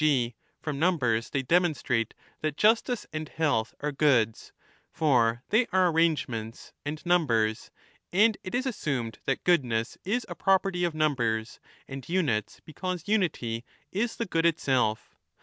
g. from numbers they demonstrate that justice and health are goods, for they are arrangements and numbers, and it is assumed that goodness is a property of numbers and units because unity is the good itself.